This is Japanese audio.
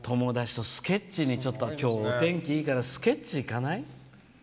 友達とスケッチに今日お天気いいからスケッチ行かない？